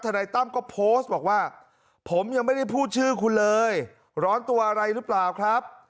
นายตั้มก็โพสต์บอกว่าผมยังไม่ได้พูดชื่อคุณเลยร้อนตัวอะไรหรือเปล่าครับ